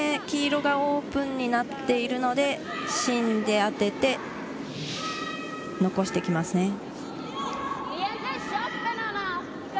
黄色がオープンになっているので芯で当てて残してきますね。